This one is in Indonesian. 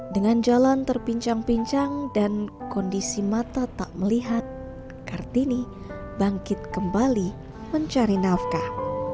dengan jalan terbincang pincang dan kondisi mata tak melihat kartini bangkit kembali mencari nafkah